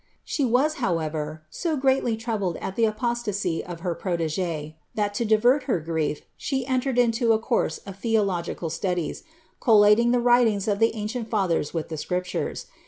She was, however, so greatly troubled at the apostasy of her protege, that, to divert her grief, she entered into a course of theological studies, collating the writings of the ancient fiithers with the Scriptures.